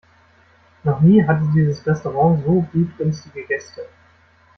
Noch nie hatte dieses Restaurant so blutrünstige Gäste.